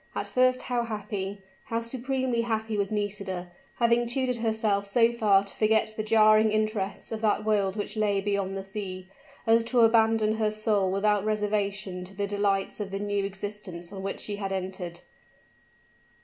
At first how happy how supremely happy was Nisida, having tutored herself so far to forget the jarring interests of that world which lay beyond the sea, as to abandon her soul without reservation to the delights of the new existence on which she had entered.